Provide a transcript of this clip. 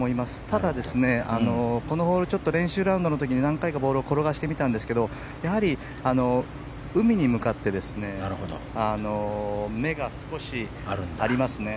ただ、このホール練習ラウンドの時に何回かボールを転がしてみたんですけどやはり、海に向かって目が少しありますね。